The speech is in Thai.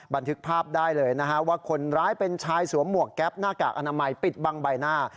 บันทึกภาพได้เลยนะฮะว่าคนร้ายเป็นชายสวมหมวกแก๊ปหน้ากากอนามัยปิดบังใบหน้า